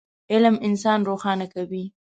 علم انسان روښانه کوي.